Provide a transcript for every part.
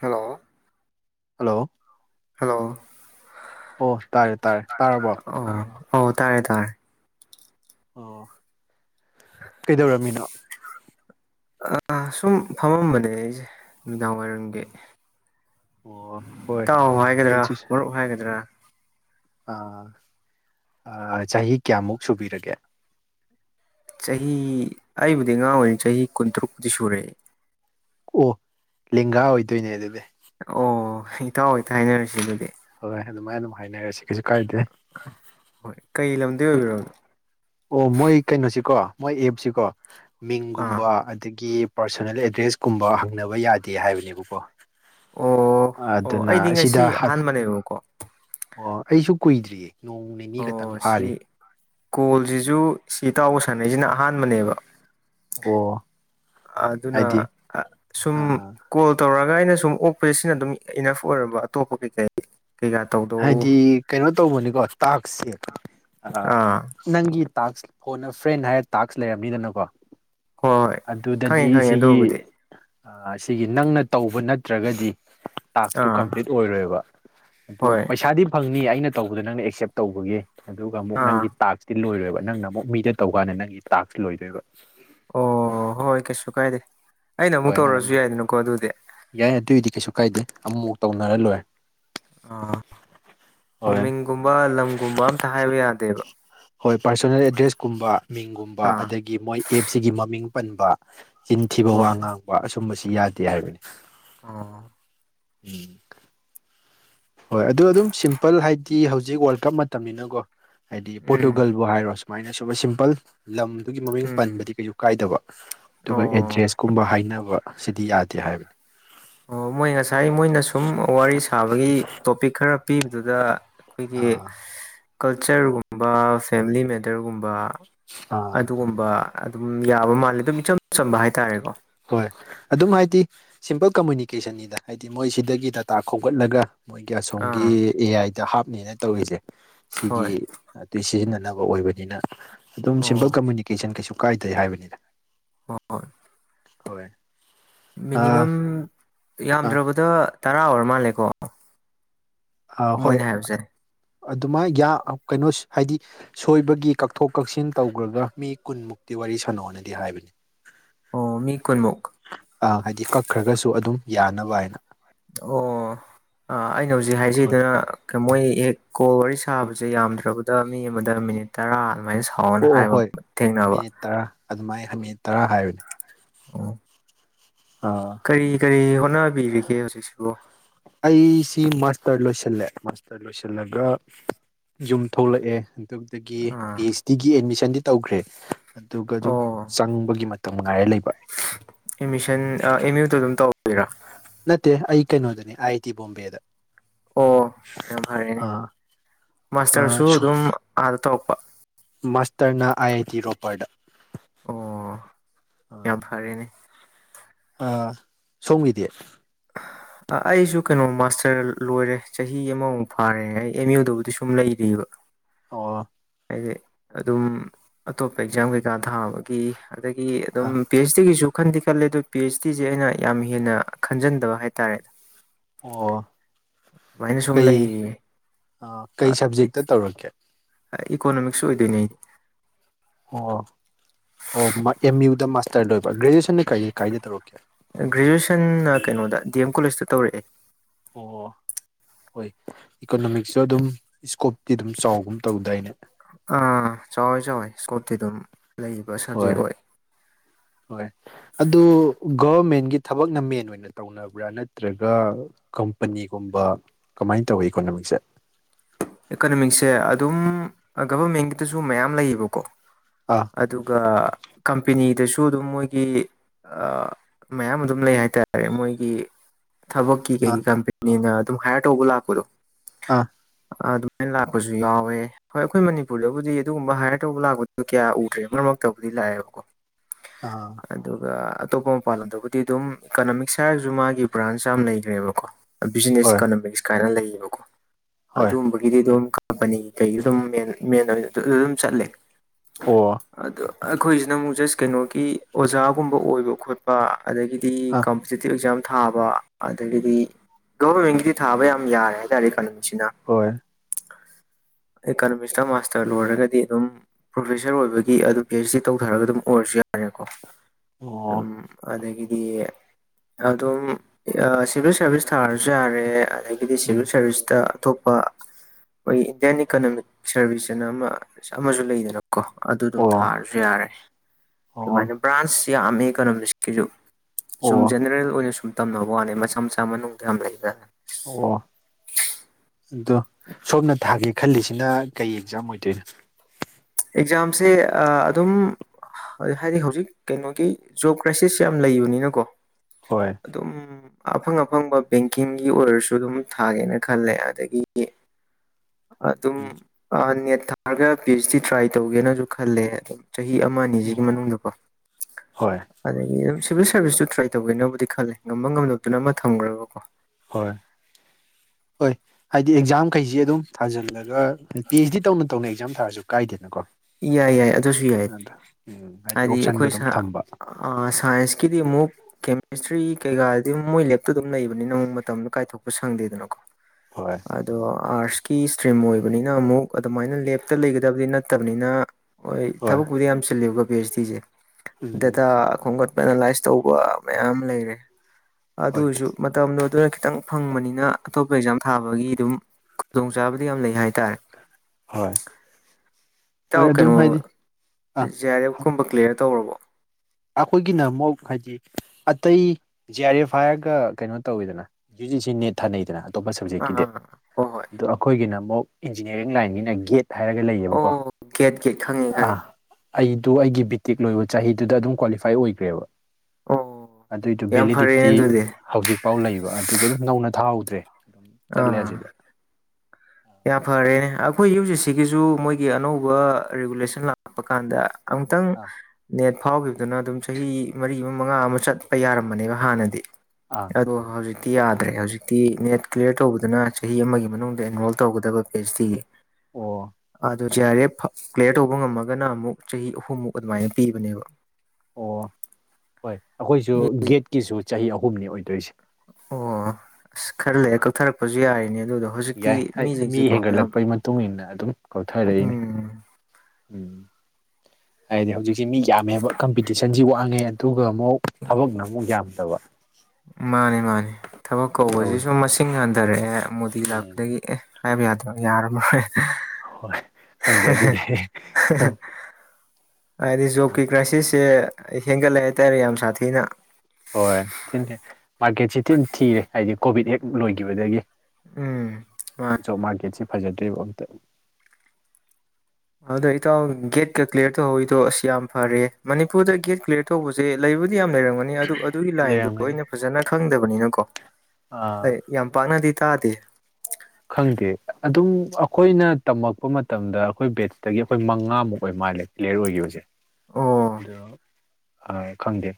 hello hello hello ꯑꯣ ꯇꯥꯔꯦ ꯇꯥꯔꯦ ꯇꯥꯔꯕꯣ ꯑꯣ ꯑꯣ ꯇꯥꯔꯦ ꯇꯥꯔꯦ ꯑꯣ ꯀꯩꯗꯧꯔꯝꯃꯤꯅꯣ ꯁꯨꯝ ꯐꯝꯃꯝꯕꯅꯦ ꯑꯩꯁꯦ ꯅꯨꯃꯤꯗꯥꯡ ꯋꯥꯏꯔꯝꯒꯤ ꯑꯣ ꯍꯣꯏ ꯇꯥꯎ ꯍꯥꯏꯒꯗ꯭ꯔꯥ ꯑꯩꯁꯨ ꯃꯔꯨꯞ ꯍꯥꯏꯒꯗ꯭ꯔꯥ ꯆꯍꯤ ꯀꯌꯥꯃꯨꯛ ꯁꯨꯕꯤꯔꯒꯦ ꯆꯍꯤ ꯑꯩꯕꯨꯗꯤ ꯑꯉꯥꯡ ꯑꯣꯏꯔꯤꯩ ꯆꯍꯤ ꯀꯨꯟꯇꯔꯨꯛꯄꯨꯗꯤ ꯁꯨꯔꯦꯦ ꯑꯣ ꯂꯦꯡꯒꯥ ꯑꯣꯏꯗꯣꯏꯅꯦ ꯑꯗꯨꯗꯤ ꯑꯣ ꯏꯇꯑꯣ ꯏꯇ ꯍꯥꯏꯅꯔꯁꯤ ꯑꯗꯨꯗꯤ ꯍꯣꯏ ꯑꯗꯨꯃꯥꯏꯅ ꯑꯗꯨꯝ ꯍꯥꯏꯅꯔꯁꯤ ꯀꯩꯁꯨ ꯀꯥꯏꯗꯦ ꯑꯗꯨ ꯑꯣꯏꯕꯤꯔꯣ ꯑꯣ ꯃꯣꯏ ꯀꯩꯅꯣꯁꯤꯀꯣ ꯃꯣꯏ ꯑꯦꯞꯁꯤꯀꯣ ꯑꯥ ꯃꯤꯡꯒꯨꯝꯕ ꯑꯗꯒꯤ ꯄꯥꯔꯁꯣꯅꯦꯜ ꯑꯦꯗ꯭ꯔꯦꯁ ꯀꯨꯝꯕ ꯍꯪꯅꯕ ꯌꯥꯗꯦ ꯍꯥꯏꯕꯅꯦꯕꯀꯣ ꯑꯣ ꯑꯣ ꯑꯗꯨꯅ ꯑꯩꯗꯤ ꯑꯁꯤꯗ ꯉꯁꯤ ꯑꯍꯥꯟꯕꯅꯦꯕꯀꯣ ꯑꯣ ꯑꯩꯁꯨ ꯀꯨꯏꯗ꯭ꯔꯤꯌꯦ ꯅꯣꯡ ꯅꯤꯅꯤ ꯈꯛꯇꯪ ꯑꯣ ꯁꯤ ꯐꯥꯔꯤ ꯀꯣꯜꯁꯤꯁꯨ ꯁꯤ ꯏꯇꯥꯎꯕ ꯁꯥꯟꯅꯩꯁꯤꯅ ꯑꯍꯥꯟꯕꯅꯦꯕ ꯑꯣ ꯑꯗꯨꯅ ꯍꯥꯏꯗꯤ ꯁꯨꯝ ꯑ ꯀꯣꯜ ꯇꯧꯔ ꯥꯏꯅ ꯁꯨꯝ ꯑꯣꯛꯄꯁꯤꯅ ꯑꯗꯨꯝ ꯏꯅꯐ ꯑꯣꯏꯔꯕ ꯑꯇꯣꯞꯄ ꯀꯩꯀꯩ ꯀꯩꯀꯥ ꯇꯧꯗꯧ ꯍꯥꯏꯗꯤ ꯀꯩꯅꯣ ꯇꯧꯕꯅꯤꯀꯣ ꯇꯥꯛꯁꯦ ꯑꯥ ꯅꯪꯒꯤ ꯇꯥꯛꯁ ꯀꯣꯟꯅ ꯐ꯭ꯔꯦꯟ ꯍꯥꯏꯔꯦ ꯇꯥꯛꯁ ꯂꯩꯔꯝꯃꯤꯗꯅꯀꯣ ꯍꯣꯏ ꯍꯣꯏ ꯈꯪꯉꯦ ꯑꯗꯨꯗꯗꯤ ꯈꯪꯉꯦ ꯁꯤꯒꯤ ꯑꯗꯨꯕꯨꯗꯤ ꯁꯤꯒꯤ ꯅꯪꯅ ꯇꯧꯕ ꯅꯠꯇ꯭ꯔꯒꯗꯤ ꯇꯥꯛꯁꯇꯨ ꯑꯥ ꯀꯝꯄ꯭ꯂꯤꯠ ꯑꯣꯏꯔꯣꯏꯕ ꯑꯗꯨ ꯍꯣꯏ ꯄꯩꯁꯥꯗꯤ ꯐꯪꯅꯤ ꯑꯩꯅ ꯇꯧꯕꯗꯣ ꯅꯪꯅ ꯑꯦꯛꯁꯦꯞ ꯇꯧꯕꯒꯤ ꯑꯗꯨꯒ ꯑꯃꯨꯛ ꯑꯥ ꯅꯪꯒꯤ ꯇꯥꯛꯁꯇꯤ ꯂꯣꯏꯔꯣꯏꯕ ꯅꯪꯅ ꯑꯃꯨꯛ ꯃꯤꯗ ꯇꯧꯀꯥꯟꯗ ꯅꯪꯒꯤ ꯇꯥꯛꯁ ꯂꯣꯏꯗꯣꯏꯕ ꯑꯣ ꯍꯣꯏ ꯀꯩꯁꯨ ꯀꯥꯏꯗꯦ ꯑꯩꯅ ꯑꯃꯨꯛ ꯍꯣꯏ ꯇꯧꯔꯛꯁꯨ ꯑꯗꯨꯃꯥꯏꯅ ꯌꯥꯏꯗꯅꯀꯣ ꯑꯗꯨꯗꯤ ꯌꯥꯏ ꯑꯗꯨꯏꯗꯤ ꯀꯩꯁꯨ ꯀꯥꯏꯗꯦ ꯑꯃꯨꯛꯐꯥꯎꯛ ꯇꯧꯅꯔ ꯂꯣꯏꯔꯦ ꯑ ꯍꯣꯏ ꯍꯃꯤꯡꯒꯨꯝꯕ ꯂꯝꯒꯨꯝꯕ ꯑꯝꯇ ꯍꯥꯏꯕ ꯌꯥꯗꯦꯕ ꯍꯣꯏ ꯄꯥꯔꯁꯣꯅꯦꯜ ꯑꯦꯗ꯭ꯔꯦꯁꯀꯨꯝꯕ ꯃꯤꯡꯒꯨꯝꯕ ꯑꯥ ꯑꯗꯒꯤ ꯃꯣꯏ ꯑꯦꯞꯁꯤꯒꯤ ꯃꯃꯤꯡ ꯄꯟꯕ ꯆꯤꯟ ꯊꯤꯕ ꯋꯥ ꯍꯣꯏ ꯉꯥꯡꯕ ꯑꯁꯨꯝꯕꯁꯤ ꯌꯥꯗꯦ ꯍꯥꯏꯕꯅꯤ ꯑꯥ ꯎꯝ ꯍꯣꯏ ꯑꯗꯨ ꯑꯗꯨꯝ ꯁꯤꯝꯄꯜ ꯍꯥꯏꯗꯤ ꯍꯧꯖꯤꯛ ꯋꯥꯔꯜ ꯀꯞ ꯃꯇꯝꯅꯤꯅꯀꯣ ꯍꯥꯏꯗꯤ ꯎꯝ ꯄꯣꯔꯇꯨꯒꯜꯕꯨ ꯍꯥꯏꯔꯣ ꯁꯨꯃꯥꯏꯅ ꯁꯨꯝꯕ ꯁꯤꯝꯄꯜ ꯂꯝ ꯑꯗꯨꯒꯤ ꯃꯃꯤꯡ ꯎꯝ ꯄꯟꯕꯗꯤ ꯀꯩꯁꯨ ꯀꯥꯏꯗꯕ ꯑꯣ ꯑꯗꯨꯒ ꯑꯦꯗ꯭ꯔꯦꯁ ꯀꯨꯝꯕ ꯍꯥꯏꯅꯕ ꯁꯤꯗꯤ ꯌꯥꯗꯦ ꯍꯥꯏꯕꯅꯤ ꯑꯣ ꯃꯣꯏ ꯉꯁꯥꯏ ꯃꯣꯏꯅ ꯁꯨꯝ ꯋꯥꯔꯤ ꯁꯥꯕꯒꯤ ꯇꯣꯄꯤꯛ ꯈꯔ ꯄꯤꯕꯗꯨꯗ ꯑꯩꯈꯣꯏꯒꯤ ꯑꯥ ꯀꯜꯆꯔꯒꯨꯝꯕ ꯐꯦꯃꯤꯂꯤ ꯃꯦꯇꯔꯒꯨꯝꯕ ꯑꯥ ꯑꯗꯨꯒꯨꯝꯕ ꯑꯗꯨꯝ ꯌꯥꯕ ꯃꯥꯜꯂꯦ ꯑꯗꯨꯝ ꯏꯆꯝ ꯆꯝꯕ ꯍꯥꯏꯇꯥꯔꯦꯀꯣ ꯍꯣꯏ ꯑꯗꯨꯝ ꯍꯥꯏꯗꯤ ꯁꯤꯝꯄꯜ ꯀꯃꯨꯅꯤꯀꯦꯁꯟꯅꯤꯗ ꯍꯥꯏꯗꯤ ꯃꯣꯏꯁꯤꯗꯒꯤ ꯗꯗꯥꯇꯥ ꯈꯣꯒꯠꯂꯒ ꯃꯣꯏꯒꯤ ꯑꯁꯣꯝꯒꯤ ꯑꯥ ꯑꯦ ꯑꯥꯏꯗ ꯍꯥꯞꯅꯦꯅ ꯇꯧꯔꯤꯁꯦ ꯍꯣꯏ ꯁꯤꯒꯤ ꯑꯗꯨꯏ ꯁꯤꯖꯤꯟꯅ ꯈꯅꯕ ꯑꯣꯏꯕꯅꯤꯅ ꯑꯗꯨꯝ ꯑꯣ ꯁꯤꯝꯄꯜ ꯀꯃꯨꯅꯤꯀꯦꯁꯟ ꯀꯩꯁꯨ ꯀꯥꯏꯗ꯭ꯔꯦ ꯍꯥꯏꯕꯅꯤꯅ ꯍꯣꯏ ꯍꯣꯏ ꯑꯥ ꯃꯤꯅꯤꯃꯝ ꯑꯥ ꯌꯥꯝꯗ꯭ꯔꯕꯗ ꯇꯔꯥ ꯑꯣꯏꯔ ꯃꯥꯜꯂꯦꯀꯣ ꯑꯥ ꯍꯣꯏ ꯃꯣꯏꯅꯦ ꯍꯥꯏꯕꯁꯦ ꯑꯗꯨꯃꯥꯏ ꯀꯩꯅꯣ ꯍꯥꯏꯗꯤ ꯁꯣꯏꯕꯒꯤ ꯀꯛꯊꯣꯛ ꯀꯛꯁꯤꯟ ꯇꯧꯈ꯭ꯔꯒ ꯃꯤ ꯀꯨꯟꯃꯨꯛꯇꯤ ꯋꯥꯔꯤ ꯁꯥꯟꯅꯣꯅꯗꯤ ꯍꯥꯏꯕꯅꯤ ꯑꯣ ꯃꯤ ꯀꯨꯟꯃꯨꯛ ꯑ ꯍꯥꯏꯗꯤ ꯀꯛꯈ꯭ꯔꯒꯁꯨ ꯑꯗꯨꯝ ꯌꯥꯅꯕ ꯍꯥꯏꯅ ꯑꯣ ꯑꯩꯅ ꯍꯧꯖꯤꯛ ꯍꯣꯏ ꯍꯥꯏꯖꯩꯗꯅ ꯑꯗꯣ ꯃꯣꯏ ꯍꯦꯛ ꯀꯣꯜ ꯋꯥꯔꯤ ꯁꯥꯕꯁꯦ ꯌꯥꯝꯗ꯭ꯔꯕꯗ ꯃꯤ ꯑꯃꯗ ꯃꯤꯅꯤꯠ ꯇꯔꯥ ꯑꯗꯨꯃꯥꯏꯅ ꯁꯥ ꯊꯥꯎꯅ ꯑꯣ ꯑꯣ ꯍꯥꯏꯕ ꯍꯣꯏ ꯊꯦꯡꯅꯕ ꯃꯤꯅꯤꯠ ꯇꯔꯥ ꯑꯗꯨꯃꯥꯏꯅ ꯍꯥꯏꯃꯤꯠ ꯇꯔꯥ ꯍꯥꯏꯕꯅꯦ ꯑ ꯑꯥ ꯀꯔꯤ ꯀꯔꯤ ꯍꯣꯠꯅꯕꯤꯔꯤꯒꯦ ꯍꯧꯖꯤꯛꯁꯨ ꯑꯩꯁꯤ ꯃꯥꯁꯇꯔ ꯂꯣꯏꯁꯤꯜꯂꯦ ꯃꯥꯁꯇꯔ ꯂꯣꯏꯁꯤꯜꯂꯒ ꯌꯨꯝ ꯊꯣꯛꯂꯛꯑꯦ ꯑꯗꯨꯗꯒꯤ ꯑꯥ ꯄꯤ ꯑꯩꯆ ꯗꯤꯒꯤ ꯑꯦꯗꯃꯤꯁꯟꯗꯤ ꯇꯧꯈ꯭ꯔꯦ ꯑꯗꯨꯒ ꯑꯗꯨꯝ ꯑꯣ ꯆꯪꯕꯒꯤ ꯃꯇꯝ ꯉꯥꯏꯔ ꯂꯩꯕ ꯑꯦꯠꯃꯤꯁꯟ ꯑꯦꯝ ꯌꯨꯗ ꯑꯗꯨꯝ ꯇꯧꯣꯏꯔꯥ ꯅꯠꯇꯦ ꯑꯩ ꯀꯩꯅꯣꯗꯅꯤ ꯑꯥꯏ ꯇꯤ ꯕꯣꯝꯕꯦꯗ ꯑꯣ ꯌꯥꯝ ꯐꯔꯦꯅꯦ ꯃꯥꯁꯇꯔꯁꯨ ꯑꯥ ꯑꯗꯨꯝ ꯑꯥꯗ ꯇꯧꯔꯛꯄ ꯃꯥꯁꯇꯔꯅ ꯑꯥꯏ ꯑꯥꯏ ꯇꯤ ꯔꯣꯄꯔꯗ ꯑꯣ ꯌꯥꯝ ꯐꯔꯦꯅꯦ ꯑ ꯁꯣꯝꯗꯤ ꯑꯩꯁꯨ ꯀꯩꯅꯣ ꯃꯥꯁꯇꯔ ꯂꯣꯏꯔꯦ ꯆꯍꯤ ꯑꯃꯃꯨꯛ ꯐꯥꯔꯦ ꯑꯩ ꯑꯦꯝ ꯌꯨꯗꯕꯨꯗꯤ ꯁꯨꯝ ꯂꯩ ꯖꯤꯕ ꯑꯣ ꯍꯥꯏꯗꯤ ꯑꯗꯨꯝ ꯑꯇꯣꯞꯄ ꯑꯦꯛꯖꯥꯝ ꯀꯩꯀꯥ ꯊꯥꯕꯒꯤ ꯑꯗꯒꯤ ꯑꯗꯨꯝ ꯑ ꯄꯤ ꯑꯩꯆ ꯗꯤꯒꯤꯁꯨ ꯋꯥꯈꯟꯗꯤ ꯈꯜꯂꯦ ꯑꯗꯣ ꯄꯤ ꯑꯩꯆ ꯗꯤꯁꯦ ꯑꯩꯅ ꯌꯥꯝ ꯍꯦꯟꯅ ꯈꯟꯖꯟꯗꯕ ꯍꯥꯏꯇꯥꯥꯔꯦ ꯑꯣ ꯑꯗꯨꯃꯥꯏꯅ ꯁꯨꯝ ꯀꯩ ꯂꯩꯔꯤꯌꯦ ꯀꯩ ꯁꯕꯖꯦꯛꯇ ꯇꯧꯔꯛꯀꯦ ꯏꯀꯣꯅꯣꯃꯤꯛꯁꯨ ꯑꯣꯏꯗꯣꯏꯅꯦ ꯑꯣ ꯑꯣ ꯑꯦꯝ ꯌꯨꯗ ꯃꯥꯁꯇꯔ ꯂꯣꯏꯕ ꯒ꯭ꯔꯦꯖꯨꯋꯦꯁꯟꯅ ꯀꯥꯏ ꯀꯥꯏꯗ ꯇꯧꯔꯛꯀꯦ ꯒ꯭ꯔꯦꯖꯨꯋꯦꯁꯟꯅ ꯀꯩꯅꯣꯗ ꯗꯤ ꯑꯦꯝ ꯀꯣꯂꯦꯖꯇ ꯇꯧꯔꯛꯑꯦ ꯑꯣ ꯍꯣꯏ ꯏꯀꯣꯅꯣꯃꯤꯛꯁꯁꯨ ꯑꯗꯨꯝ ꯏꯁꯀꯣꯞꯇꯤ ꯑꯗꯨꯝ ꯆꯥꯎꯒꯨꯝ ꯇꯧꯗꯥꯏꯅꯦ ꯑꯥ ꯆꯥꯎꯋꯤ ꯆꯥꯎꯋꯦ ꯏꯁꯀꯣꯞꯇꯤ ꯑꯗꯨꯝ ꯂꯩꯕ ꯍꯣꯏ ꯁꯕꯖꯦꯛ ꯑꯣꯏ ꯍꯣꯏ ꯑꯗꯨ ꯒꯣꯔꯃꯦꯟꯒꯤ ꯊꯕꯛꯅ ꯃꯦꯟ ꯑꯣꯏꯅ ꯇꯧꯅꯕ꯭ꯔꯥ ꯅꯠꯇ꯭ꯔꯒ ꯀꯝꯄꯅꯤꯒꯨꯝꯕ ꯀꯃꯥꯏꯅ ꯇꯧꯋꯤ ꯏꯀꯣꯅꯣꯃꯤꯛꯁꯦ ꯏꯀꯅꯣꯃꯤꯛꯁꯦ ꯑꯗꯨꯝ ꯒꯕꯔꯃꯦꯟꯒꯤꯗꯁꯨ ꯃꯌꯥꯝ ꯂꯩꯌꯦꯕꯀꯣ ꯑꯥ ꯑꯗꯨꯒ ꯀꯝꯄꯦꯅꯤꯗꯁꯨ ꯑꯗꯨꯝ ꯃꯣꯏꯒꯤ ꯃꯌꯥꯝ ꯑꯗꯨꯝ ꯂꯩ ꯍꯥꯏꯇꯥꯔꯦ ꯃꯣꯏꯒꯤ ꯊꯕꯛꯀꯤ ꯑꯥ ꯀꯩꯒꯤ ꯀꯝꯄꯦꯅꯤꯅ ꯑꯗꯨꯝ ꯍꯥꯌꯌꯔ ꯇꯧꯕ ꯂꯥꯛꯄꯗꯣ ꯑꯥ ꯑꯗꯨꯃꯥꯏꯅ ꯂꯥꯛꯄꯁꯨ ꯌꯥꯎꯋꯦ ꯍꯣꯏ ꯑꯩꯈꯣꯏ ꯃꯅꯤꯄꯨꯔꯗꯕꯨꯗꯤ ꯑꯗꯨꯒꯨꯝꯕ ꯍꯥꯏꯌꯔ ꯇꯧꯕ ꯂꯥꯛꯄꯗꯨ ꯀꯌꯥ ꯎꯗ꯭ꯔꯦ ꯃꯔ ꯕꯨꯗꯤ ꯂꯥꯛꯑꯦꯕꯀꯣ ꯑꯥ ꯑꯗꯨꯒ ꯑꯇꯣꯞꯄ ꯃꯄꯥꯟ ꯂꯝꯗꯕꯨꯗꯤ ꯑꯗꯨꯝ ꯏꯀꯅꯣꯃꯤꯛꯁ ꯍꯥꯏꯔꯁꯨ ꯃꯥꯒꯤ ꯕ꯭ꯔꯥꯟꯁ ꯌꯥꯝ ꯂꯩꯈ꯭ꯔꯦꯕꯀꯣ ꯕꯤꯖꯤꯅꯦꯁ ꯍꯣꯏ ꯏꯀꯣꯅꯣꯃꯤꯛꯁ ꯀꯥꯏꯅ ꯂꯩꯌꯦꯕꯀꯣ ꯍꯣꯏ ꯑꯗꯨꯒꯨꯝꯕꯒꯤꯗꯤ ꯑꯗꯨꯝ ꯀꯝꯄꯅꯤꯒꯤ ꯀꯩ ꯑꯗꯨꯝ ꯃꯦꯟ ꯃꯦꯟ ꯑꯣꯏꯅ ꯑꯗꯨꯝ ꯆꯠꯂꯦ ꯑꯣ ꯑꯗꯣ ꯑꯩꯈꯣꯏꯁꯤꯅ ꯑꯃꯨꯛ ꯖꯁ ꯀꯩꯅꯣꯒꯤ ꯑꯣꯖꯥꯒꯨꯝꯕ ꯑꯣꯏꯕ ꯈꯣꯠꯄ ꯑꯗꯒꯤꯗꯤ ꯑꯥ ꯀꯝꯄꯤꯇꯤꯇꯤꯞ ꯑꯦꯛꯖꯥꯝ ꯊꯥꯕ ꯑꯗꯒꯤꯗꯤ ꯒꯣꯕꯔꯃꯦꯟꯒꯤꯗꯤ ꯊꯥꯕ ꯌꯥꯝ ꯌꯥꯔꯦ ꯍꯥꯏꯇꯥꯥꯔꯦ ꯀꯩꯅꯣꯁꯤꯅ ꯑꯣꯏꯣꯏ ꯑꯦꯀꯅꯣꯃꯤꯛꯁꯇ ꯃꯥꯁꯇꯔ ꯂꯣꯏꯔꯒꯗꯤ ꯑꯗꯨꯝ ꯄ꯭ꯔꯣꯐꯦꯁꯔ ꯑꯣꯏꯕꯒꯤ ꯑꯗꯨꯝ ꯄꯤ ꯑꯩꯆ ꯗꯤ ꯇꯧꯊꯔꯒ ꯑꯗꯨꯝ ꯑꯣꯏꯔꯁꯤ ꯑꯣ ꯣ ꯎꯗꯒꯤ ꯑꯦ ꯑꯗꯨꯝ ꯁꯤꯚꯤꯜ ꯁꯥꯔꯚꯤꯁ ꯊꯥꯔꯁꯨ ꯌꯥꯔꯦ ꯑꯗꯒꯤꯗꯤ ꯎꯝ ꯁꯤꯚꯤꯜ ꯁꯥꯔꯕꯤꯁꯇ ꯑꯩꯈꯣꯏ ꯏꯟꯗꯤꯌꯥꯟ ꯏꯀꯣꯅꯣꯃꯤꯛ ꯁꯔꯚꯤꯁꯁ ꯑꯅ ꯑꯃ ꯑꯃꯁꯨ ꯂꯩꯗꯅ ꯀꯣ ꯑꯗꯨ ꯑꯗꯨꯝ ꯑꯣ ꯑꯣ ꯊꯥꯔꯁꯨ ꯌꯥꯔꯦ ꯑꯣ ꯑꯗꯨꯃꯥꯏꯅ ꯕ꯭ꯔꯥꯟꯁ ꯌꯥꯝꯃꯦ ꯀꯩꯅꯣꯁꯨ ꯁꯨꯝ ꯖꯦꯅꯔꯦꯜ ꯑꯣꯏꯅ ꯁꯨꯝ ꯇꯝꯅꯕ ꯋꯥꯠꯅꯦ ꯃꯆꯥꯥ ꯃꯆꯥꯥ ꯃꯅꯨꯡꯗ ꯌꯥꯝ ꯂꯩꯕ꯭ꯔꯥ ꯑꯣ ꯑꯗꯣ ꯁꯣꯝꯅ ꯊꯥꯒꯦ ꯈꯜꯂꯤꯁꯤꯅ ꯀꯩ ꯑꯦꯛꯖꯥꯝ ꯑꯣꯏꯗꯣꯏꯅꯣ ꯑꯦꯛꯖꯥꯝꯁꯦ ꯑꯗꯨꯝ ꯑ ꯍꯥꯏꯗꯤ ꯍꯧꯖꯤꯛ ꯀꯩꯅꯣꯒꯤ ꯖꯣꯕ ꯀ꯭ꯔꯥꯏꯁꯤꯁ ꯌꯥꯝ ꯂꯩꯕꯅꯤꯅꯀꯣ ꯍꯣꯏ ꯑꯗꯨꯝ ꯑꯐꯪ ꯑꯐꯪꯕ ꯕꯦꯡꯀꯤꯡꯒꯤ ꯑꯣꯏꯔꯁꯨ ꯑꯗꯨꯝ ꯊꯥꯒꯦꯅ ꯈꯜꯂꯦ ꯑꯗꯒꯤ ꯑꯗꯨꯝ ꯎꯝ ꯑ ꯅꯦꯠ ꯊꯥꯔꯒ ꯄꯤ ꯑꯩꯆ ꯗꯤ ꯇ꯭ꯔꯥꯏ ꯇꯧꯒꯦꯅꯁꯨ ꯈꯜꯂꯦ ꯑꯗꯨꯝ ꯆꯍꯤ ꯑꯃ ꯑꯅꯤꯁꯤꯒꯤ ꯑꯣ ꯃꯅꯨꯡꯗꯀꯣ ꯍꯣꯏ ꯑꯗꯒꯤ ꯑꯗꯨꯝ ꯁꯤꯚꯤꯜ ꯁꯥꯔꯚꯤꯁꯇꯨ ꯇ꯭ꯔꯥꯏ ꯇꯧꯒꯦꯅꯕꯨꯗꯤ ꯈꯜꯂꯦ ꯉꯝꯕ ꯉꯝꯗꯕꯗꯨꯅ ꯑꯃ ꯊꯝꯒ꯭ꯔꯒ ꯀꯣ ꯍꯣꯏ ꯍꯣꯏ ꯍꯥꯏꯗꯤ ꯑꯦꯛꯖꯥꯝꯈꯩꯁꯤ ꯑꯗꯨꯝ ꯊꯥꯖꯤꯜꯂꯒ ꯄꯤ ꯑꯩꯆ ꯗꯤ ꯇꯧꯅ ꯇꯧꯅ ꯑꯦꯛꯖꯥꯝ ꯊꯥꯔꯁꯨ ꯀꯥꯏꯗꯦꯅꯀꯣ ꯌꯥꯏ ꯌꯥꯏ ꯑꯗꯨꯁꯨ ꯌꯥꯏ ꯑꯗ ꯎꯝ ꯍꯥꯏꯗꯤ ꯑꯣꯞꯁꯟꯗꯣ ꯑꯩꯈꯣꯏ ꯑꯗꯨꯝ ꯁꯥ ꯊꯝꯕ ꯑꯥ ꯁꯥꯏꯟꯁꯀꯤꯗꯤ ꯑꯃꯨꯛ ꯀꯦꯃꯤꯁꯇ꯭ꯔꯤ ꯀꯩꯀꯥ ꯑꯗꯨꯝ ꯃꯣꯏ ꯂꯦꯞꯇꯨ ꯑꯗꯨꯝ ꯂꯩꯕꯅꯤꯅ ꯃꯇꯝꯗ ꯀꯥꯏꯊꯣꯛꯄ ꯁꯪꯗꯦꯗꯅꯀꯣ ꯍꯣꯏ ꯑꯗꯣ ꯑꯥꯔꯁ ꯀꯤ ꯏꯁꯇ꯭ꯔꯤꯝ ꯑꯣꯏꯕꯅꯤꯅ ꯑꯃꯨꯛ ꯑꯗꯨꯃꯥꯏꯅ ꯂꯦꯞꯇ ꯂꯩꯒꯗꯕꯗꯤ ꯅꯠꯇꯕꯅꯤꯅ ꯍꯣꯏ ꯊꯕꯛꯄꯨꯗꯤ ꯌꯥꯝ ꯆꯤꯜꯂꯦꯕ ꯄꯤ ꯑꯩꯆ ꯗꯤꯖꯦ ꯎꯝ ꯗꯇꯥ ꯈꯣꯡꯝꯒꯠꯄ ꯑꯦꯅꯥꯂꯥꯏꯁ ꯇꯧꯕ ꯃꯌꯥꯝ ꯂꯩꯔꯦ ꯑꯗꯨ ꯍꯣꯏ ꯑꯣꯏꯁꯨ ꯃꯇꯝꯗꯣ ꯑꯗꯨꯅ ꯈꯤꯇꯪ ꯐꯪꯕꯅꯤꯅ ꯑꯇꯣꯞꯄ ꯑꯦꯛꯖꯥꯝ ꯊꯥꯕꯒꯤ ꯑꯗꯨꯝ ꯈꯨꯗꯣꯡꯆꯥꯕꯗꯤ ꯌꯥꯝ ꯂꯩ ꯍꯥꯏꯇꯥꯔꯦ ꯍꯣꯏ ꯏꯇꯥꯎ ꯍꯣꯏ ꯑꯗꯨꯝ ꯀꯩꯅꯣ ꯍꯥꯏꯗꯤ ꯑꯥ ꯖꯦ ꯑꯥꯔ ꯑꯦꯐ ꯀꯨꯝꯕ ꯀ꯭ꯂꯤꯌꯥꯔ ꯇꯧꯔꯕꯣ ꯑꯩꯈꯣꯏꯒꯤꯅ ꯑꯃꯨꯛ ꯍꯥꯏꯗꯤ ꯑꯇꯩ ꯖꯤ ꯑꯥꯔ ꯑꯦꯐ ꯍꯥꯏꯔꯒ ꯀꯩꯅꯣ ꯇꯧꯋꯤꯗꯅ ꯆꯤ ꯅꯦꯠ ꯊꯥꯅꯩꯗꯅ ꯑꯇꯣꯞꯄ ꯁꯕꯖꯦꯛꯀꯤꯗꯤ ꯑꯥ ꯍꯣꯏ ꯍꯣꯏ ꯑꯗꯣ ꯑꯩꯈꯣꯏꯒꯤꯅ ꯑꯃꯨꯛ ꯏꯟꯖꯤꯅꯤꯌꯥꯔꯤꯡ ꯂꯥꯏꯟꯒꯤꯅ ꯒꯦꯠ ꯍꯥꯏꯔꯒ ꯑꯣ ꯂꯩꯌꯦꯕꯀꯣ ꯒꯦꯠ ꯒꯦꯠ ꯈꯪꯉꯦ ꯈꯪꯉꯦ ꯑꯥ ꯑꯩꯗꯣ ꯑꯩꯒꯤ ꯕꯤꯇꯤꯛ ꯂꯣꯏꯕ ꯆꯍꯤꯗꯨꯗ ꯑꯗꯨꯝ ꯀ꯭ꯋꯥꯂꯤꯐꯥꯏ ꯑꯣꯏꯈ꯭ꯔꯦꯕ ꯑꯣ ꯑꯗꯨꯏꯗꯨꯣ ꯌꯥꯝ ꯐꯔꯦꯅꯦ ꯚꯦꯂꯤꯗꯤꯇꯤ ꯑꯗꯨꯗꯤ ꯍꯧꯖꯤꯛꯐꯥꯎ ꯂꯩꯕ ꯑꯗꯨꯒꯤ ꯑꯗꯨꯝ ꯅꯧꯅ ꯊꯥꯍꯧꯗ꯭ꯔꯦ ꯑꯗꯨꯝ ꯆꯠꯂꯦ ꯑꯥ ꯑꯁꯤꯗ ꯌꯥꯝ ꯐꯔꯦꯅꯦ ꯑꯩꯈꯣꯏ ꯌꯨ ꯖꯤ ꯁꯤ ꯁꯤ ꯒꯤꯁꯨ ꯃꯣꯏꯒꯤ ꯑꯅꯧꯕ ꯔꯤꯒꯨꯂꯦꯁꯟ ꯂꯥꯛꯄ ꯀꯥꯟꯗ ꯑꯃꯨꯛꯇꯪ ꯑꯥ ꯅꯦꯠ ꯐꯥꯎꯈꯤꯕꯗꯨꯅ ꯑꯗꯨꯝ ꯆꯍꯤ ꯃꯔꯤ ꯑꯃ ꯃꯉꯥ ꯑꯃ ꯆꯠꯄ ꯌꯥꯔꯝꯕꯅꯦꯕ ꯍꯥꯟꯅꯗꯤ ꯑꯥ ꯑꯗꯣ ꯍꯧꯖꯤꯛꯇꯤ ꯌꯥꯗ꯭ꯔꯦ ꯍꯧꯖꯤꯛꯇꯤ ꯅꯦꯠ ꯀ꯭ꯂꯤꯌꯥꯔ ꯇꯧꯕꯗꯨꯅ ꯆꯍꯤ ꯑꯃꯒꯤ ꯃꯅꯨꯡꯗ ꯑꯦꯟꯔꯣꯜ ꯇꯧꯒꯗꯕ ꯄꯤ ꯑꯩꯆ ꯗꯤ ꯒꯤ ꯑꯣ ꯑꯗꯣ ꯖꯤ ꯑꯥꯔ ꯑꯦꯐ ꯀ꯭ꯂꯤꯌꯥꯔ ꯇꯧꯕ ꯉꯝꯃꯒꯅ ꯑꯃꯨꯛ ꯆꯍꯤ ꯑꯍꯨꯝꯃꯨꯛ ꯑꯗꯨꯃꯥꯏꯅ ꯄꯤꯕꯅꯦꯕ ꯑꯣ ꯍꯣꯏ ꯑꯩꯈꯣꯏꯁꯨ ꯃꯤ ꯒꯦꯠꯀꯤꯁꯨ ꯆꯍꯤ ꯑꯍꯨꯝꯅꯤ ꯑꯣꯏꯗꯣꯏꯁꯦ ꯑꯣ ꯑꯁ ꯈꯔ ꯑꯥ ꯂꯩꯔ ꯀꯛꯊꯔꯛꯄꯁꯨ ꯌꯥꯔꯤꯅꯦ ꯑꯗꯨꯗꯣ ꯌꯥꯏ ꯍꯧꯖꯤꯛꯇꯤ ꯍꯣꯏ ꯃꯤ ꯃꯤꯁꯤꯡꯁꯤꯀꯣ ꯌꯥꯝ ꯍꯦꯟꯒꯠꯂꯛꯄꯒꯤ ꯃꯇꯨꯡ ꯏꯟꯅ ꯑꯗꯨꯝ ꯀꯛꯊꯔꯛꯏꯅꯦ ꯎꯝ ꯎꯝ ꯍꯥꯏꯗꯤ ꯍꯧꯖꯤꯛꯁꯤ ꯃꯤ ꯌꯥꯝꯃꯦꯕ ꯀꯝꯄꯤꯇꯤꯁꯟꯁꯤ ꯋꯥꯡꯉꯦ ꯑꯗꯨ ꯑꯗꯨꯒ ꯑꯃꯨꯛ ꯊꯕꯛꯅ ꯑꯃꯨꯛ ꯌꯥꯝꯗꯕ ꯃꯥꯅꯤ ꯃꯥꯅꯤ ꯊꯕꯛ ꯀꯧꯕꯁꯤ ꯇꯧꯔꯤ ꯁꯨꯨꯝ ꯃꯁꯤꯡ ꯍꯟꯊꯔꯛꯑꯦ ꯃꯣꯗꯤ ꯎꯝ ꯂꯥꯛꯄꯗꯒꯤ ꯑꯦ ꯍꯥꯏꯕ ꯌꯥꯗꯕ ꯌꯥꯔꯃꯣꯏ ꯍꯣꯏ ꯈꯪꯗꯦ ꯑꯗꯨꯗꯤ ꯍꯥꯏꯗꯤ ꯖꯣꯕꯀꯤ ꯀ꯭ꯔꯥꯏꯁꯤꯁꯁꯦ ꯍꯦꯟꯒꯠꯂꯦ ꯍꯥꯏꯇꯥꯔꯦ ꯌꯥꯝ ꯁꯥꯊꯤꯅ ꯍꯣꯏ ꯊꯤꯟ ꯃꯥꯔꯀꯦꯠꯁꯤ ꯊꯤꯟ ꯊꯤꯔꯦ ꯍꯥꯏꯗꯤ ꯀꯣꯚꯤꯠ ꯍꯦꯛ ꯂꯣꯏꯈꯤꯕꯗꯒꯤ ꯎꯝ ꯃꯥꯅꯤ ꯖꯣꯕ ꯃꯥꯔꯀꯦꯠꯁꯤ ꯐꯖꯗ꯭ꯔꯦꯕ ꯑꯝꯇ ꯑꯗꯨꯗꯣ ꯏꯇꯥꯎ ꯒꯦꯠꯀ ꯀ꯭ꯂꯤꯌꯥꯔ ꯇꯧꯍꯧꯤꯗꯣ ꯑꯁ ꯌꯥꯝ ꯐꯔꯦ ꯃꯅꯤꯄꯨꯔꯗ ꯒꯦꯠ ꯀ꯭ꯂꯤꯌꯥꯔ ꯇꯧꯕꯁꯦ ꯂꯩꯕꯨꯗ ꯗꯤ ꯌꯥꯝ ꯂꯩꯔꯝꯒꯅꯤ ꯑꯗꯨ ꯑꯗꯨꯒꯤ ꯂꯥꯏꯟꯗꯨ ꯂꯩꯔꯝꯒꯅꯤ ꯑꯩꯅ ꯐꯖꯅ ꯈꯪꯗꯕꯅꯤꯅꯀꯣ ꯑꯥ ꯑꯩ ꯌꯥꯝ ꯄꯥꯛꯅꯗꯤ ꯇꯥꯗꯦ ꯈꯪꯗꯦ ꯑꯗꯨꯝ ꯑꯈꯣꯏꯅ ꯇꯝꯃꯛꯄ ꯃꯇꯝꯗ ꯑꯩꯈꯣꯏ ꯕꯦꯠꯁꯇꯒꯤ ꯑꯩꯈꯣꯏ ꯃꯉꯥꯃꯨꯛ ꯑꯣꯏ ꯥꯃꯥꯜꯂꯦ ꯀ꯭ꯂꯤꯌꯥꯔ ꯑꯣꯏꯈꯤꯕꯁꯦ ꯑꯣ ꯑꯗꯣ ꯑ ꯈꯪꯗꯦ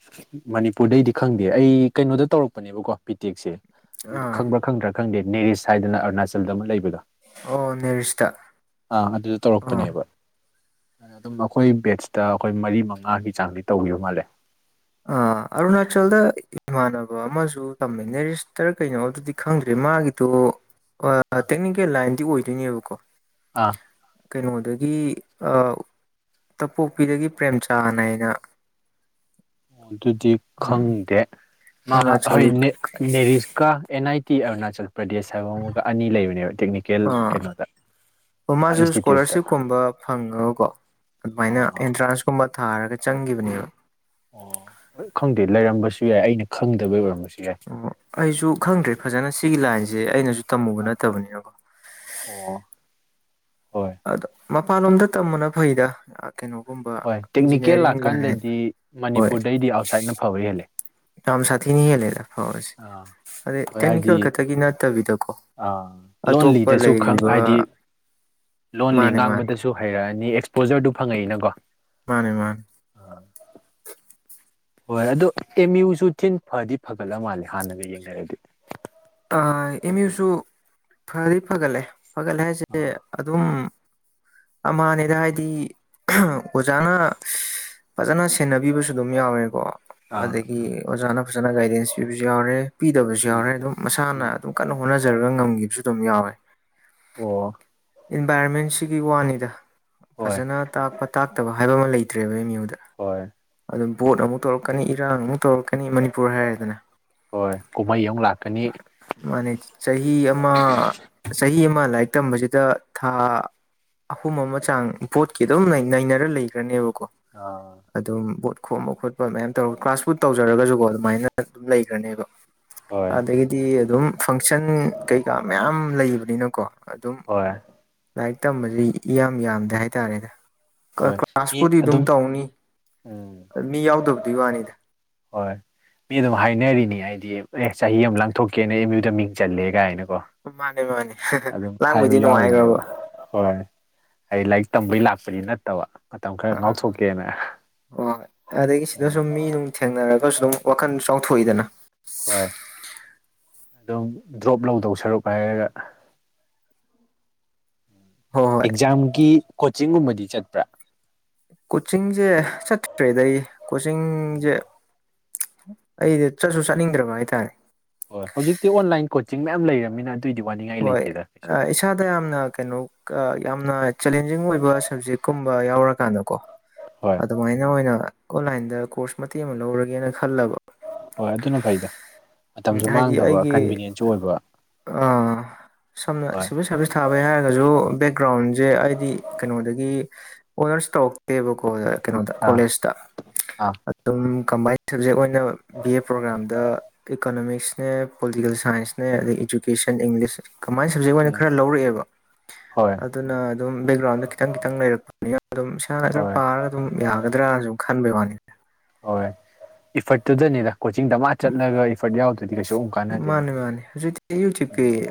ꯃꯅꯤꯄꯨꯔꯗꯩꯗꯤ ꯈꯪꯗꯦ ꯑꯩ ꯀꯩꯅꯣꯗ ꯇꯧꯔꯛꯄꯅꯦꯕꯀꯣ ꯕꯤꯇꯦꯛꯁꯦ ꯑꯥ ꯈꯪꯕ꯭ꯔꯥ ꯈꯪꯗ꯭ꯔꯥ ꯈꯪꯗꯦ ꯅꯦꯔꯤꯁ ꯍꯥꯏꯗꯅ ꯑꯔꯨꯅꯥꯆꯜꯗ ꯑꯃ ꯂꯩꯕꯗꯣ ꯑꯣ ꯅꯦꯔꯤꯁꯇ ꯑꯥ ꯑꯗꯨꯗ ꯑꯣ ꯇꯧꯔꯛꯄꯅꯦꯕ ꯑꯗꯨꯝ ꯑꯩꯈꯣꯏ ꯕꯦꯠꯁꯇ ꯑꯩꯈꯣꯏ ꯃꯔꯤ ꯃꯉꯥꯒꯤ ꯆꯥꯡꯗꯤ ꯇꯧꯈꯤꯕ ꯃꯥꯜꯂꯦ ꯑꯥ ꯑꯔꯨꯅꯥꯆꯜꯗ ꯏꯃꯥꯟꯅꯕ ꯑꯃꯖꯨ ꯇꯝꯃꯦ ꯅꯦꯔꯤꯁꯇꯔ ꯀꯩꯅꯣ ꯑꯗꯨꯗꯤ ꯈꯪꯗ꯭ꯔꯦ ꯃꯥꯒꯤꯗꯣ ꯑꯥ ꯇꯦꯛꯅꯤꯀꯦꯜ ꯂꯥꯏꯟꯗꯤ ꯑꯣꯏꯗꯣꯏꯅꯦꯕꯀꯣ ꯑꯥ ꯀꯩꯅꯣꯗꯒꯤ ꯑꯥ ꯇꯄꯣꯛꯄꯤꯗꯒꯤ ꯄ꯭ꯔꯦꯝꯆꯥꯟ ꯍꯥꯏꯅ ꯑꯣ ꯑꯗꯨꯗꯤ ꯎꯝ ꯈꯪꯗꯦ ꯃꯥ ꯍꯣꯏ ꯑꯔꯨꯅꯥꯆꯜꯒꯤ ꯅ‌ꯦꯔ ꯅꯦꯔꯤꯁꯀꯥ ꯑꯦꯟ ꯅꯥꯏꯇꯤ ꯑꯔꯨꯅꯥꯆꯜ ꯄ꯭ꯔꯗꯦꯁ ꯍꯥꯏꯕ ꯑꯃꯒ ꯑꯅꯤ ꯂꯩꯕꯅꯦꯕ ꯇꯦꯛꯅꯤꯀꯦꯜ ꯀꯩꯅꯣꯗ ꯑꯣ ꯃꯥꯁꯨ ꯏꯟꯁꯇꯤꯇ꯭ꯌꯨꯠꯇ ꯏꯁꯀꯣꯂꯥꯔꯁꯤꯞꯀꯨꯝꯕ ꯐ ꯉꯀꯣ ꯑꯗꯨꯃꯥꯏꯅ ꯑꯥ ꯑꯦꯟꯇ꯭ꯔꯥꯟꯁꯀꯨꯝꯕ ꯊꯥꯔꯒ ꯆꯪꯈꯤꯕꯅꯦꯕ ꯑꯣ ꯍꯣꯏ ꯈꯪꯗꯦ ꯂꯩꯔꯝꯕꯁꯨ ꯌꯥꯏ ꯑꯩꯅ ꯈꯪꯗꯕꯩ ꯑꯣꯏꯔꯝꯃꯁꯨ ꯑꯣ ꯑꯩꯁꯨ ꯈꯪꯗ꯭ꯔꯦ ꯐꯖꯅ ꯁꯤꯒꯤ ꯂꯥꯏꯟꯁꯦ ꯑꯩꯅꯖꯨ ꯇꯝꯃꯨꯕ ꯑꯥ ꯅꯠꯇꯕꯅꯤꯅꯀꯣ ꯑꯣ ꯍꯣꯏ ꯑꯗꯣ ꯃꯄꯥꯟꯂꯣꯝꯗ ꯇꯝꯃꯅ ꯐꯩꯗ ꯀꯩꯅꯣꯒꯨꯝꯕ ꯍꯣꯏ ꯇꯦꯛꯅꯤꯀꯦꯜ ꯏꯟꯖꯤꯅꯤꯌꯥꯔꯤꯡ ꯂꯥꯏꯟ ꯂꯥꯛꯀꯥꯟꯗꯗꯤ ꯍꯣꯏ ꯃꯅꯤꯄꯨꯔꯗꯩꯗꯤ ꯑꯥꯎꯠꯁꯥꯏꯠꯅ ꯐꯕ ꯍꯦꯜꯂꯦ ꯌꯥꯝ ꯁꯥꯊꯤꯅ ꯍꯦꯜꯂꯦꯗ ꯐꯥꯕꯁꯦ ꯑꯥ ꯑꯗꯩ ꯇꯦꯛꯅꯤꯀꯦꯜ ꯈꯛꯇꯒꯤ ꯅꯠꯇꯕꯤꯗ ꯑ ꯂꯣꯟꯂꯤꯗꯁꯨ ꯈꯛ ꯍꯥꯏꯗꯤ ꯂꯩꯔꯤꯕ ꯂꯣꯜꯂꯤ ꯃꯥꯅꯦ ꯃꯥꯅꯦ ꯉꯥꯡꯕꯗꯁꯨ ꯍꯩꯔꯛꯑꯅꯤ ꯑꯦꯛꯁꯄꯣꯖꯔꯗꯨ ꯐꯪꯉꯛꯏꯅꯀꯣ ꯃꯥꯅꯦ ꯃꯥꯅꯦ ꯑꯥ ꯍꯣꯏ ꯑꯗꯨ ꯑꯦꯝ ꯌꯨꯁꯨ ꯊꯤꯟ ꯐꯗꯤ ꯐꯒꯠꯂ ꯃꯥꯜꯂꯦ ꯍꯥꯟꯅꯒ ꯌꯦꯡꯅꯔꯗꯤ ꯑꯥ ꯑꯦꯝ ꯌꯨꯁꯨ ꯐꯗꯤ ꯐꯒꯠꯂꯦ ꯐꯒꯠꯂꯦ ꯍꯥꯏꯁꯦ ꯑꯥ ꯑꯗꯨꯝ ꯑꯝꯃꯥꯅꯦꯗ ꯍꯥꯏꯗꯤ ꯑꯣꯖꯥꯅ ꯐꯖꯅ ꯁꯦꯟꯅꯕꯤꯕꯁꯨ ꯑꯗꯨꯝ ꯌꯥꯎꯔꯦꯀꯣ ꯑꯥ ꯑꯗꯒꯤ ꯑꯣꯖꯥꯅ ꯐꯖꯅ ꯒꯥꯏꯗꯦꯟꯁ ꯄꯤꯕꯁꯨ ꯌꯥꯎꯔꯦ ꯄꯤ ꯗꯕꯁꯨ ꯎꯝ ꯌꯥꯎꯔꯦ ꯑꯗꯨꯝ ꯎꯝ ꯃꯁꯥꯅ ꯑꯗꯨꯝ ꯀꯟꯅ ꯍꯣꯠꯅꯖꯔꯒ ꯉꯝꯈꯤꯕꯁꯨ ꯑꯗꯨꯝ ꯌꯥꯎꯋ‌ꯦ ꯑꯣ ꯏꯟꯚꯥꯏꯔꯣꯟꯃꯦꯟꯁꯤꯒꯤ ꯋꯥꯅꯤꯗ ꯍꯣꯏ ꯐꯖꯅ ꯇꯥꯛꯄ ꯇꯥꯛꯇꯕ ꯍꯥꯏꯕ ꯑꯃ ꯂꯩꯇ꯭ꯔꯦꯕ ꯑꯦꯝ ꯌꯨ ꯍꯣꯏ ꯕꯣꯠ ꯑꯃꯨꯛ ꯇꯧꯔꯛꯀꯅꯤ ꯏꯔꯥꯡꯒꯤ ꯑꯃꯨꯛ ꯇꯧꯔꯛꯀꯅꯤ ꯃꯅꯤꯄꯨꯔ ꯍꯥꯏꯔ‌ꯦꯗꯅ ꯍꯣꯏ ꯀꯨꯝꯍꯩ ꯑꯃꯨꯛ ꯂꯥꯛꯀꯅꯤ ꯃꯥꯅꯤ ꯆꯍꯤ ꯑꯃ ꯆꯍꯤ ꯑꯃ ꯑꯃ ꯂꯥꯏꯔꯤꯛ ꯇꯝꯕꯁꯤꯗ ꯊꯥ ꯑꯍꯨꯝ ꯑꯃ ꯆꯥꯡ ꯕꯣꯠꯀꯤ ꯑꯗꯨꯝ ꯅꯩꯅꯔ ꯂꯩꯈ꯭ꯔꯅꯦꯕꯀꯣ ꯑꯥ ꯑꯗꯨꯝ ꯈꯣꯝꯕ ꯈꯣꯠꯄ ꯃꯌꯥꯝ ꯇꯧꯔꯒ ꯀ꯭ꯂꯥꯁ ꯄꯨ ꯇꯧꯖꯔꯒꯁꯨꯀꯣ ꯑꯗꯨꯃꯥꯏꯅ ꯑꯗꯨꯝ ꯂꯩꯈ꯭ꯔꯅꯦꯕ ꯍꯣꯏ ꯗꯩ ꯑꯗꯨꯝ ꯐꯪꯁꯟ ꯀꯩꯀꯥ ꯃꯌꯥꯝ ꯂꯩꯕꯅꯤꯅꯀꯣ ꯑꯗꯨꯝ ꯍꯣꯏ ꯂꯥꯏꯔꯤꯛ ꯇꯝꯕꯗꯤ ꯏꯌꯥꯝ ꯏꯌꯥꯝꯗ‌ꯦ ꯍꯥꯏꯇꯥꯔꯦꯗ ꯀꯂꯥ ꯍꯣꯏ ꯃꯤ ꯀ꯭ꯂꯥꯁꯄꯨꯗꯤ ꯑꯗꯨꯝ ꯇꯧꯅꯤ ꯎꯝ ꯃꯤ ꯌꯥꯎꯗꯕꯗꯨꯏ ꯋꯥꯅꯤꯗ ꯍꯣꯏ ꯃꯤ ꯑꯗꯨꯝ ꯍꯥꯏꯅꯔꯤꯅꯤ ꯍꯥꯏꯗꯤ ꯑꯦ ꯆꯍꯤ ꯑꯃ ꯂꯥꯡꯊꯣꯛꯀꯦꯅ ꯑꯦꯝ ꯌꯨꯗ ꯃꯤꯡ ꯆꯜꯂꯦ ꯀꯥꯏꯅ ꯃꯥꯅꯦ ꯃꯥꯅꯦ ꯑꯗꯨꯝ ꯍꯥꯏꯕ ꯂꯥꯡꯕꯩꯗꯤ ꯅꯨꯡꯉꯥꯏꯈ꯭ꯔꯕ ꯌꯥꯎꯔꯤꯅꯦꯕ ꯍꯣꯏ ꯑꯩ ꯂꯥꯏꯔꯤꯛ ꯇꯝꯕꯩ ꯂꯥꯛꯄꯅꯤ ꯅꯠꯇꯕ ꯃꯇꯝ ꯈꯔ ꯉꯥꯎꯊꯣꯛꯀꯦꯅ ꯍ‌ꯣꯏ ꯑꯗꯒꯤ ꯁꯤꯗ ꯁꯨꯝ ꯃꯤ ꯅꯨꯡ ꯊꯦꯡꯅꯔꯒꯁꯨ ꯑꯗꯨꯝ ꯋꯥꯈꯜ ꯆꯥꯎꯊꯣꯛꯏꯗꯅ ꯍꯣꯏ ꯑꯗꯨꯝ ꯗ꯭ꯔꯣꯞ ꯂꯧꯗꯧ ꯁꯔꯨꯛ ꯍꯥꯏꯔꯒ ꯍꯣꯏ ꯍꯣꯏ ꯑꯦꯛꯖꯥꯝꯒꯤ ꯀꯣꯆꯤꯡꯒꯨꯝꯕꯗꯤ ꯆꯠꯄ꯭ꯔꯥ ꯀꯣꯆꯤꯡꯖ‌ꯦ ꯆꯠꯇ꯭ꯔꯦꯗ ꯑꯩ ꯎꯝ ꯀꯣꯆꯤꯡꯖ‌ꯦ ꯑꯩꯗꯤ ꯆꯠꯁꯨ ꯆꯠꯅꯤꯡꯗ꯭ꯔꯕ ꯍꯥꯏꯇꯥꯔꯦ ꯍꯣꯏ ꯍꯧꯖꯤꯛꯇꯤ ꯑꯣꯟꯂꯥꯏꯟ ꯀꯣꯆꯤꯡ ꯃꯌꯥꯝ ꯂꯩꯔꯝꯅꯤꯅ ꯍꯣꯏ ꯑ ꯏꯁꯥꯗ ꯌꯥꯝꯅ ꯀꯩꯅꯣ ꯀꯥ ꯌꯥꯝꯅ ꯆꯦꯂꯦꯟꯖꯤꯡ ꯑꯣꯏꯕ ꯁꯕꯖꯦꯛꯀꯨꯝꯕ ꯌꯥꯎꯔꯀꯥꯟꯗ ꯀꯣ ꯍꯣꯏ ꯑꯗꯨꯃꯥꯏꯅ ꯑꯣꯏꯅ ꯑꯣꯟꯂꯥꯏꯟꯗ ꯀꯣꯔꯁ ꯃꯇꯦꯛ ꯑꯃ ꯂꯧꯔꯒꯦꯅ ꯈꯜꯂꯕ ꯍꯣꯏ ꯑꯗꯨꯅ ꯐꯩꯗ ꯎꯝ ꯃꯇꯝꯁꯨ ꯍꯥꯏꯗꯤ ꯃꯥꯡꯗꯕ ꯑꯩꯒꯤ ꯀꯟꯚꯤꯅꯤꯌꯦꯟꯁꯨ ꯑꯣꯏꯕ ꯑꯥ ꯁꯝꯅ ꯍꯣꯏ ꯁꯤꯚꯤꯜ ꯁꯥꯔꯚꯤꯁ ꯊꯥꯕꯩ ꯍꯥꯏꯔꯒꯁꯨ ꯕꯦꯛꯒ꯭ꯔꯥꯎꯟꯖꯦ ꯑꯥꯏꯗꯤ ꯀꯩꯅꯣꯗꯒꯤ ꯑꯣꯅꯔꯁ ꯇꯧꯔꯛꯇꯦꯕꯀꯣ ꯀꯩꯅꯣꯗ ꯑꯥ ꯀꯣꯂꯦꯖꯇ ꯑꯥ ꯑꯗꯨꯝ ꯀꯝꯕꯥꯏꯟ ꯁꯕꯖꯦꯛ ꯑꯣꯏꯅ ꯕꯤ ꯑꯦ ꯄ꯭ꯔꯣꯒ꯭ꯔꯥꯝꯗ ꯏꯀꯣꯅꯣꯃꯤꯛꯁꯅꯦ ꯄꯣꯂꯤꯇꯤꯀꯦꯜ ꯁꯥꯏꯟꯁꯅꯦ ꯑꯗꯩ ꯏꯖꯨꯀꯦꯁꯟ ꯏꯪꯂꯤꯁ ꯀꯃꯥꯏꯅ ꯁꯕꯖꯦꯛ ꯑꯣꯏꯅ ꯈꯔ ꯂꯧꯔꯛꯑꯦꯕ ꯍꯣꯏ ꯑꯗꯨꯅ ꯑꯗꯨꯝ ꯕꯦꯛꯒ꯭ꯔꯥꯎꯟꯗ ꯈꯤꯇꯪ ꯈꯤꯇꯪ ꯂꯩꯔꯛ-ꯄ-ꯅꯤꯅ ꯑꯗꯨꯝ ꯏꯁꯥꯅ ꯈꯔ ꯍꯣꯏ ꯄꯥꯔꯒ ꯑꯗꯨꯝ ꯌꯥꯒꯗ꯭ꯔꯥꯁꯨ ꯈꯟꯕꯩꯋꯥꯅꯤ ꯍꯣꯏ ꯏꯐꯠꯇꯨꯗꯅꯤꯗ ꯀꯣꯆꯤꯡꯗ ꯗꯃꯥ ꯆꯠꯂꯒ ꯏꯐꯔꯠ ꯌꯥꯎꯗ꯭ꯔꯗꯤ ꯀꯩꯁꯨ ꯑꯃꯨꯛ ꯀꯥꯟꯅꯗꯦꯅ ꯃꯥꯅꯤ ꯃꯥꯅꯤ ꯍꯧꯖꯤꯛꯇꯤ ꯎꯝ ꯌꯨꯇ꯭ꯌꯨꯕꯀꯤ